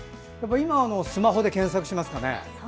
今はスマホで検索しますかね。